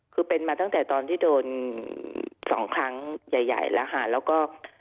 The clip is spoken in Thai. คือเป็นมาตั้งแต่ตอนที่โดน๒ครั้งใหญ่แล้วก็